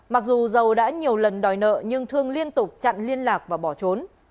mặc dù dầu đã nhiều lần đòi nợ nhưng thương liên tục chặn liên lạc và bỏ trốn